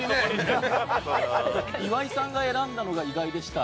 岩井さんが選んだのが意外でした。